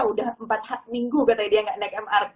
sudah empat minggu katanya dia tidak naik mrt